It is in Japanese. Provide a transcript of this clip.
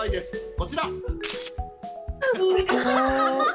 こちら。